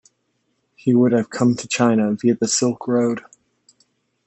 He would have come to China via the Silk Road.